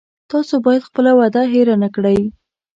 تاسو باید خپله وعده هیره نه کړی